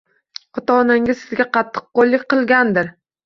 Ota-onangiz sizga qattiqqo‘lliq qilgandir.